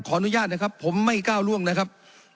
อนุญาตนะครับผมไม่ก้าวล่วงนะครับ